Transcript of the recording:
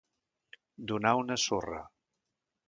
Donar una surra.